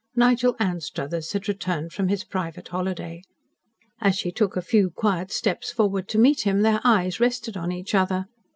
Nigel Anstruthers had returned from his private holiday. As she took a few quiet steps forward to meet him, their eyes rested on each other.